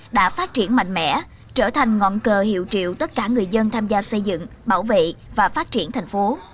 đã phát triển mạnh mẽ trở thành ngọn cờ hiệu triệu tất cả người dân tham gia xây dựng bảo vệ và phát triển thành phố